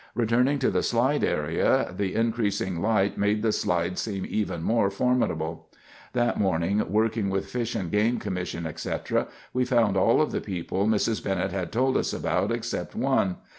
Returning to the slide area, the increasing light made the slide seem even more formidable. That morning, working with Fish & Game Commission, etc., we found all of the people Mrs. Bennett had told us about except one.